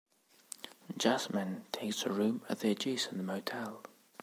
Jasmin takes a room at the adjacent motel.